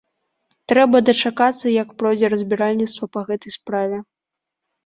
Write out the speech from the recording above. Трэба дачакацца, як пройдзе разбіральніцтва па гэтай справе.